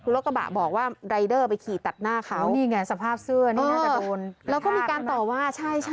รถกระบะบอกว่ารายเดอร์ไปขี่ตัดหน้าเขานี่ไงสภาพเสื้อนี่น่าจะโดนแล้วก็มีการต่อว่าใช่ใช่